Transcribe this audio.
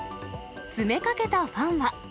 詰めかけたファンは。